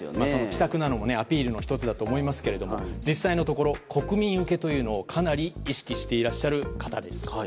気さくなのはアピールの１つだと思いますけれども実際のところ国民受けというのをかなり意識していらっしゃる方です